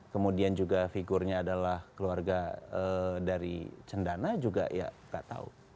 kemudian juga figurnya adalah keluarga dari cendana juga ya nggak tahu